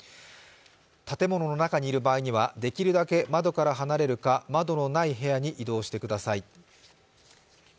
建物の中にいる場合にはできるだけ窓の近くを離れるか窓のない部屋に移動してください。